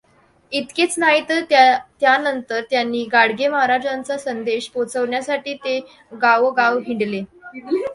इतकेच नाहीत तर त्यानंतर त्यांनी गाडगेमहाराजांचा संदेश पोचवण्यासाठी ते गावोगाव हिंडले.